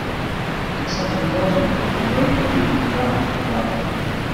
Extensions also exist in their own evolutionary realm, as well.